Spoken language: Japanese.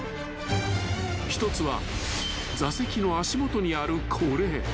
［１つは座席の足元にあるこれ］